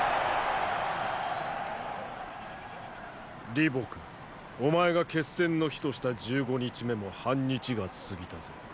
李牧お前が決戦の日とした十五日目も半日が過ぎたぞ。